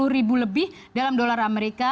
empat puluh ribu lebih dalam dolar amerika